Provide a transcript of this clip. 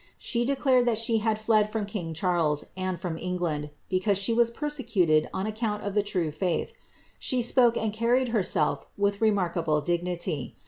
She declared that she had fled from king Charles, and from Fngland, because she was persecuted on account of the true faith. She spoke and car ried herself with remarkable dignity.